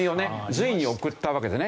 隋に送ったわけですね。